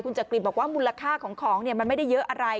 จักริตบอกว่ามูลค่าของของมันไม่ได้เยอะอะไร